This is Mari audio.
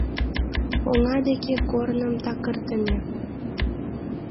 Оҥа деке корным такыртыме.